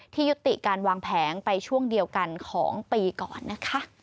ยุติการวางแผงไปช่วงเดียวกันของปีก่อนนะคะ